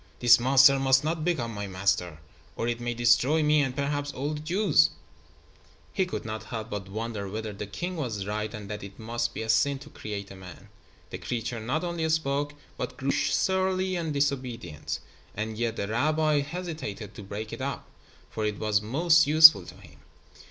"This monster must not become my master, or it may destroy me and perhaps all the Jews." He could not help but wonder whether the king was right and that it must be a sin to create a man. The creature not only spoke, but grew surly and disobedient, and yet the rabbi hesitated to break it up, for it was most useful to him.